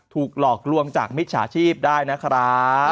หลอกลวงจากมิจฉาชีพได้นะครับ